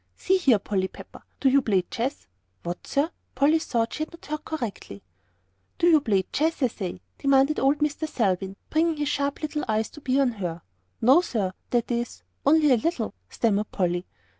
"See here, Polly Pepper, do you play chess?" "What, sir?" Polly thought she had not heard correctly. "Do you play chess, I say?" demanded old Mr. Selwyn, bringing his sharp little eyes to bear on her. "No, sir, that is only a little," stammered Polly.